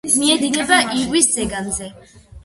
მიედინება ივრის ზეგანზე.